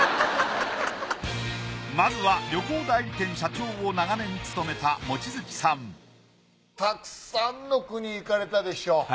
まずは旅行代理店社長を長年務めたたくさんの国行かれたでしょ。